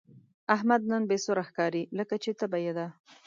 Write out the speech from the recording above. احمد نن بې سوره ښکاري، لکه چې تبه یې ده.